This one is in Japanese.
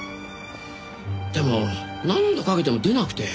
でも何度かけても出なくて。